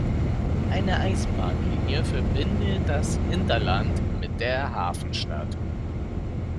Eine Eisenbahnlinie verbindet das Hinterland mit der Hafenstadt.